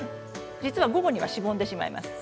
実は午後にはしぼんでしまいます。